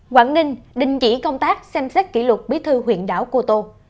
quảng đình đình chỉ công tác xem xét kỷ lục biết thư huyện đảo cô tô